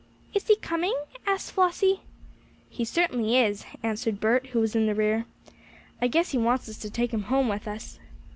"Is he coming?" asked Flossie. "He certainly is," answered Bert, who was in the rear. "I guess he wants us to take him home with us."